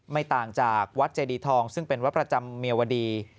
ไม่ต่างจากวัดเจดีทองซึ่งเป็นวัดประจำเมียวดี